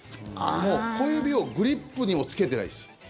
小指をグリップにもつけてないです。